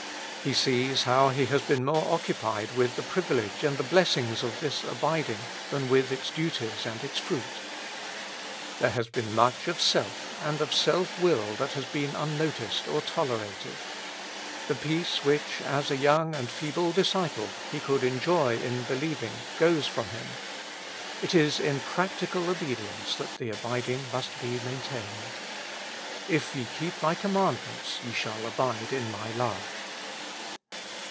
He sees how he has been more occupied with the privilege and the blessings of this abiding than with its duties and its fruit. There has been much of self and of self will that has been unnoticed or tolerated : the peace which, as a young and feeble disciple, he could 167 With Christ in the School of Prayer. enjoy in beheving goes from him ; it is in practical obedience that the abiding must be maintained :" If ye keep my commands, ye shall abide in my love."